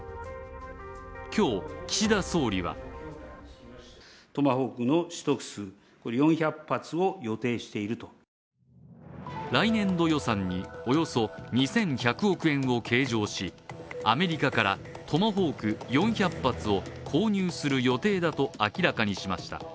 今日、岸田総理は来年度予算におよそ２１００億円を計上しアメリカからトマホーク４００発を購入する予定だと明らかにしました。